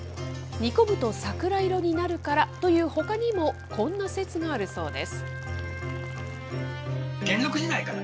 煮込むとさくら色になるからというほかにも、こんな説があるそうです。